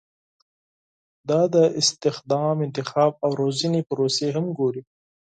دا د استخدام، انتخاب او روزنې پروسې هم ګوري.